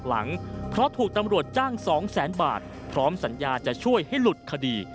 เพราะถูกตำรวจจ้างสองแสนบาทพร้อมสัญญาจะช่วยให้หลุดคดี